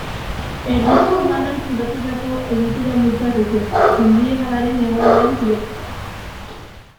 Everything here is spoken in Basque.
Herrixkak maldan zulatutako egitura-multzoak ditu, mendi-hegalaren hegoaldean pilatuta.